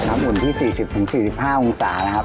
อุ่นที่๔๐๔๕องศานะครับ